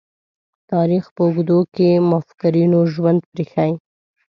تاریخ په اوږدو کې مُفکرینو ژوند پريښی.